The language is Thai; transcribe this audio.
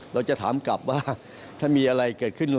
เราจะถามกลับว่าถ้ามีอะไรเกิดขึ้น